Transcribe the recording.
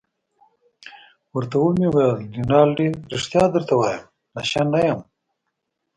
ورته ومې ویل: رینالډي ريښتیا درته وایم، نشه نه یم.